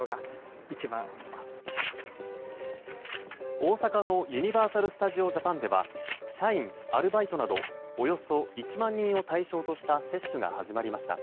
大阪のユニバーサル・スタジオ・ジャパンでは社員、アルバイトなどおよそ１万人を対象とした接種が始まりました。